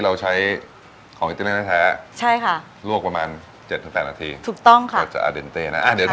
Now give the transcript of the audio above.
แล้วก็อันนี้กระชายสอย